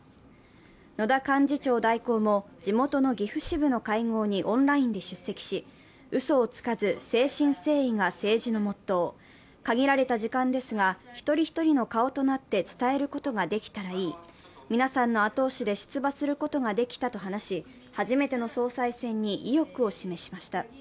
野田幹事長代行も、地元の岐阜支部の会合にオンラインで出席し、うそをつかず誠心誠意が政治のモットー、限られた時間ですが、一人一人の顔となって伝えることができたらいい、皆さんの後押しで出馬することができたと話し、初めての総裁選に意欲を示しました。